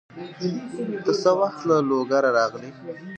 ته څه وخت له لوګره راغلې؟